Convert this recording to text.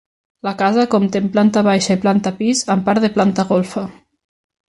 La casa compta amb planta baixa i planta pis amb part de planta golfa.